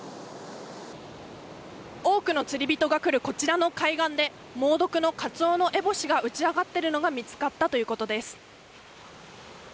多くの釣り人が来るこちらの海岸で猛毒のカツオノエボシが打ち上がっているのが見つかったということです。